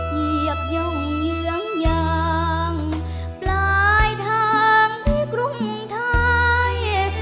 เหยียบย่องเยื้องยางปลายทางกรุงไทย